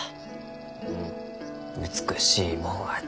うん美しいもんは強い。